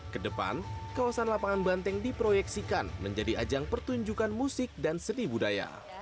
kedepan kawasan lapangan banteng diproyeksikan menjadi ajang pertunjukan musik dan seni budaya